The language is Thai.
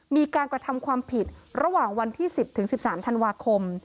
มีการกระทำความผิดระหว่างวันที่๑๐๑๓ธันวาคม